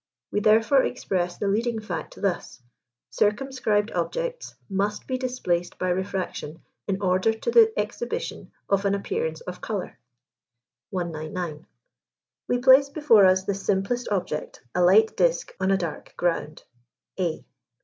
We therefore express the leading fact thus: circumscribed objects must be displaced by refraction in order to the exhibition of an appearance of colour. 199. We place before us the simplest object, a light disk on a dark ground (A).